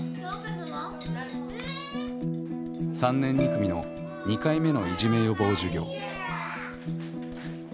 ３年２組の２回目のいじめ予防授業。